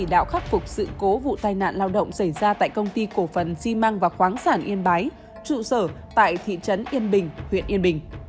đạo khắc phục sự cố vụ tai nạn lao động xảy ra tại công ty cổ phần xi măng và khoáng sản yên bái trụ sở tại thị trấn yên bình huyện yên bình